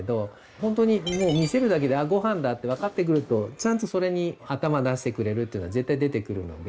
ほんとにもう見せるだけで「あっご飯だ」って分かってくるとちゃんとそれに頭出してくれるっていうのは絶対出てくるので。